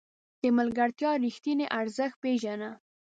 د ملګرتیا رښتیني ارزښت پېژنه.